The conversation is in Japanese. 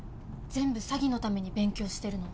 全部詐欺のために勉強してるの？